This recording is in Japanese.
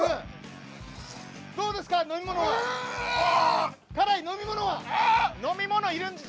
どうですか、飲み物は。